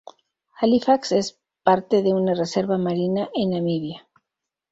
Halifax es parte de una Reserva Marina en Namibia.